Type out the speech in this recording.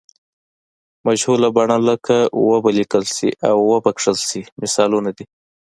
مجهوله بڼه لکه و به لیکل شي او و به کښل شي مثالونه دي.